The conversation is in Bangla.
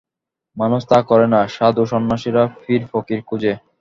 মানুষ তা করে না, সাধু-সন্ন্যাসী, পীর-ফকির খোঁজে।